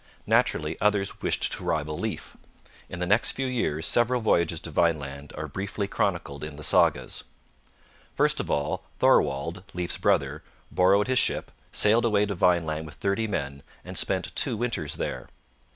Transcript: Naturally others wished to rival Leif. In the next few years several voyages to Vineland are briefly chronicled in the sagas. First of all, Thorwald, Leif's brother, borrowed his ship, sailed away to Vineland with thirty men, and spent two winters there.